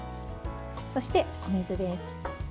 そして、お水です。